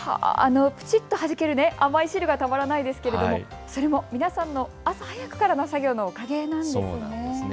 プチッとはじける甘い汁がたまらないですけれども、それも皆さんの朝早くからの作業のおかげなんですね。